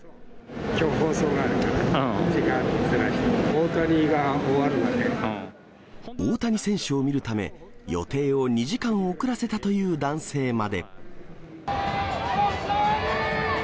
きょう放送があるから、時間をずらして、大谷選手を見るため、予定を２時間遅らせたという男性まで。